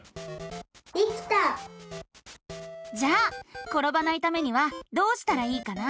できた！じゃあころばないためにはどうしたらいいかな？